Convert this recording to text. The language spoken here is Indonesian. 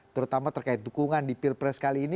terutama terkait dukungan di pilpres kali ini